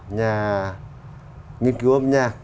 nhà nghiên cứu âm nhạc